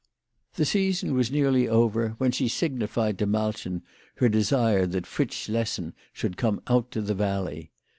The season was nearly over when she signified to Malchen her desire that Fritz Schlessen should come out to the valley.